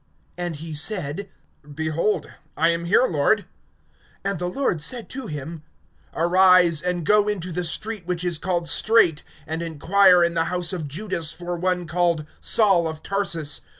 And he said, Behold, I am here, Lord. (11)And the Lord said to him: Arise, and go into the street which is called Straight, and inquire in the house of Judas for one called Saul of Tarsus.